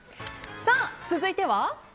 続いては？